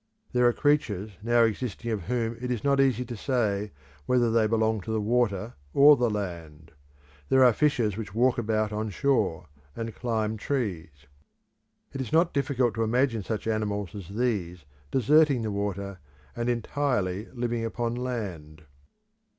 There are creatures now existing of whom it is not easy to say whether they belong to the water or the land: there are fishes which walk about on shore, and climb trees: It is not difficult to imagine such animals as these deserting the water, and entirely living upon land.